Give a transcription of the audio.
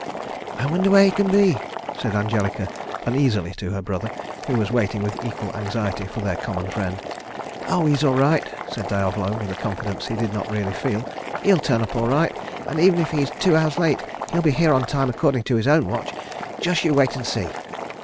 "I wonder where he can be?" said Angelica, uneasily to her brother, who was waiting with equal anxiety for their common friend. "Oh, he's all right!" said Diavolo, with a confidence he did not really feel. "He'll turn up all right, and even if he's two hours late he'll be here on time according to his own watch. Just you wait and see."